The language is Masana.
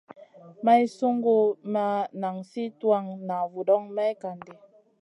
Maï sungu ma nan sli tuwan na vudoŋ may kan ɗi.